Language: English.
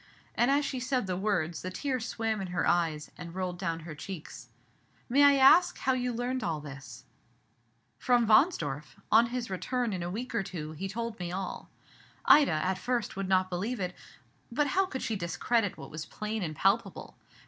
_" And, as she said the words, the tears swam in her eyes, and rolled down her cheeks. "May I ask you how you learned all this?" "From Wahnsdorf; on his return, in a week or two, he told me all. Ida, at first, would not believe it; but how could she discredit what was plain and palpable?